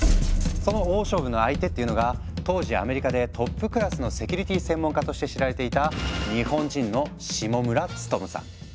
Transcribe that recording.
その大勝負の相手っていうのが当時アメリカでトップクラスのセキュリティ専門家として知られていた日本人の下村努さん。